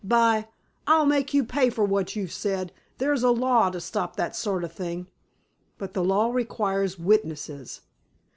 By—, I'll make you pay for what you've said. There's a law to stop that sort of thing." "But the law requires witnesses.